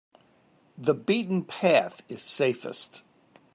The beaten path is safest.